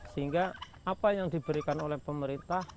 sehingga apa yang diberikan oleh pemerintah